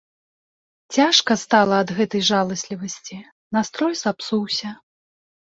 Цяжка стала ад гэтай жаласлівасці, настрой сапсуўся.